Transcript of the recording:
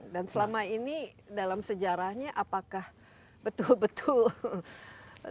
dan selama ini dalam sejarahnya apakah betul betul